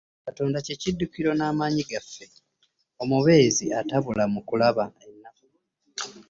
Katonda kye kiddukiro n'amanyi gaffe omubeezi atabula mu kulaba ennaku.